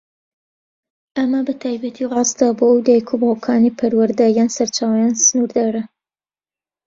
ئەمە بەتایبەتی ڕاستە بۆ ئەو دایک و باوکانەی پەروەردە یان سەرچاوەیان سنوردارە.